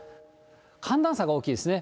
寒暖差が大きいですね。